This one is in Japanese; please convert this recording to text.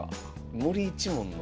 森一門の？